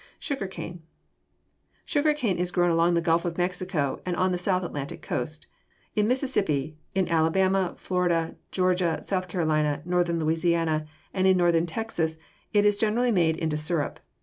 =Sugar Cane.= Sugar cane is grown along the Gulf of Mexico and the South Atlantic coast. In Mississippi, in Alabama, Florida, Georgia, South Carolina, northern Louisiana, and in northern Texas it is generally made into sirup.